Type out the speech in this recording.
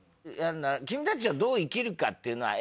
『君たちはどう生きるか』っていうのはやっぱね